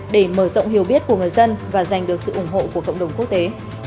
để mở rộng hiểu biết của người dân và giành được sự ủng hộ của cộng đồng quốc tế